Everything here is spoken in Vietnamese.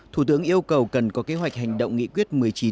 thủ tướng yêu cầu cần có kế hoạch hành động nghị quyết một mươi chín ba mươi năm